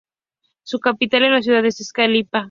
Su capital es la ciudad de Česká Lípa.